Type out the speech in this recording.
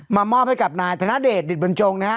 มอบให้กับนายธนเดชดิตบรรจงนะฮะ